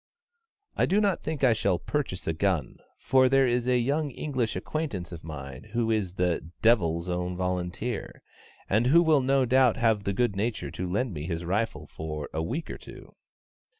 I do not think I shall purchase a gun, for there is a young English acquaintance of mine who is the Devil's Own Volunteer, and who will no doubt have the good nature to lend me his rifle for a week or two.